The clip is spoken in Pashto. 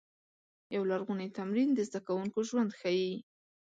یو لرغونی تمرین د زده کوونکو ژوند ښيي.